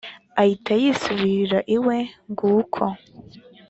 ahita yisubirira iwe nguko